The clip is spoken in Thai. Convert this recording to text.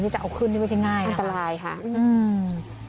จะเอาขึ้นนี่ไม่ใช่ง่ายอันตรายค่ะอืม